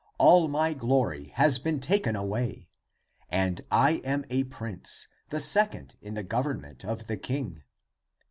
All my glory has been taken away. And I am a prince, the second in the gov ernment of the king.